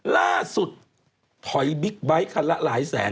ล่าสุดถอยบิ๊กไบท์คันละหลายแสน